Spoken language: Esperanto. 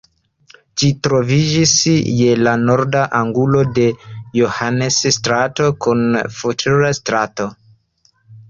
Ĝi troviĝis je la norda angulo de Johannes-strato kun Futter-strato.